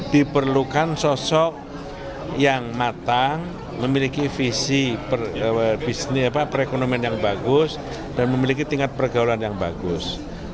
diperlukan sosok yang matang memiliki visi perekonomian yang bagus dan memiliki tingkat pergaulan yang bagus